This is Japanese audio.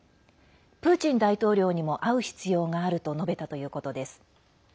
プーチン大統領にも会う必要があると述べたということです。